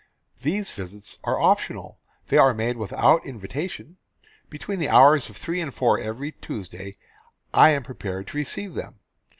... These visits are optional, they are made without invitation; between the hours of three and four every Tuesday I am prepared to receive them.